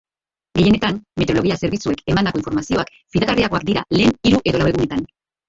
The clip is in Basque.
Gehienetan, meteorologia zerbitzuek emandako informazioak fidagarriagoak dira lehen hiru edo lau egunetan.